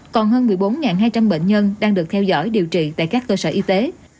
còn hơn một mươi bốn hai trăm linh bệnh nhân đang được theo dõi điều trị tại các cơ sở y tế